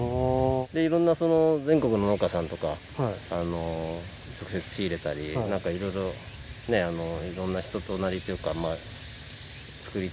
いろんな全国の農家さんとか直接仕入れたりなんかいろいろいろんな人となりというか。